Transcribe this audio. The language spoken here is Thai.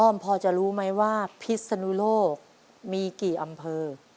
พอจะรู้ไหมว่าพิศนุโลกมีกี่อำเภอ